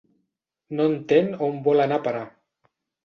No entén on vol anar a parar.